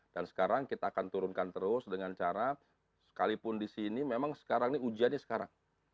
sekarang kita akan turunkan terus dengan cara sekalipun di sini memang sekarang ini ujiannya sekarang